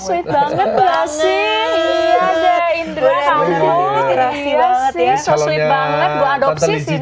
so sweet banget gue adopsi sini